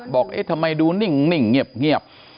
เอ๊ะทำไมดูนิ่งเงียบ